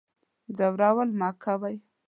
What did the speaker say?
ځورول مکوه